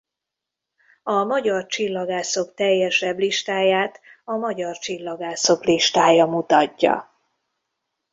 A magyar csillagászok teljesebb listáját a magyar csillagászok listája mutatja.